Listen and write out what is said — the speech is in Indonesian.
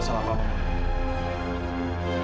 kalian kenapa sih